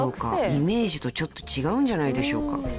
イメージとちょっと違うんじゃないでしょうか？］